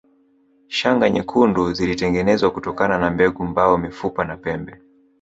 Shanga nyekundu zilitengenezwa kutokana na mbegu mbao mifupa na pembe